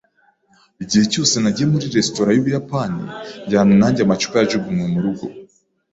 Igihe cyose nagiye muri resitora yUbuyapani, njyana nanjye amacupa yajugunywe murugo.